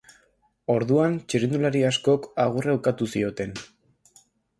Orduan txirrindulari askok agurra ukatu zioten.